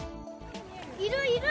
いる、いる！